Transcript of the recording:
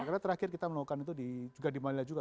karena terakhir kita melakukan itu juga di manila juga